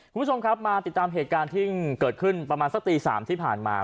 คุณผู้ชมครับมาติดตามเหตุการณ์ที่เกิดขึ้นประมาณสักตี๓ที่ผ่านมา